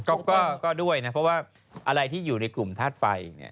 ก็ด้วยนะเพราะว่าอะไรที่อยู่ในกลุ่มธาตุไฟเนี่ย